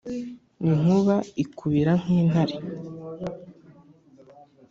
inkuba ikubira nk'intare